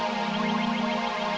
sampai jumpa lagi